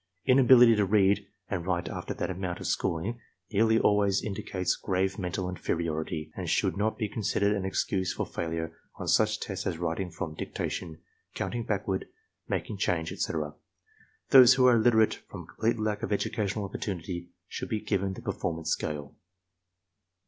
InabiUty to read and write after thai amount of schooling nearly always indicates grave mental inferiority, and should not be considered an excuse for failure on such tests as writing from dictation, counting backward, making change, etc. Those who are illiterate from complete lack of educational opportunity should be given the performance scale.